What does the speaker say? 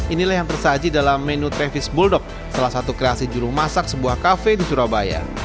inilah yang tersaji dalam menu travis bulldog salah satu kreasi jurumasak sebuah kafe di surabaya